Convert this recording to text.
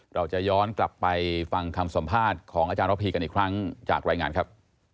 เราจะย้อนกลับไปฟังคำสัมภาษณ์ของอาจารย์ระพีกันอีกครั้งจากรายงานครับ